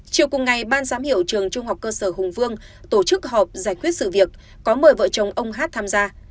chiều cùng ngày ban giám hiệu trường trung học cơ sở hùng vương tổ chức họp giải quyết sự việc có mời vợ chồng ông hát tham gia